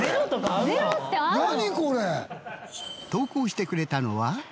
投稿してくれたのは。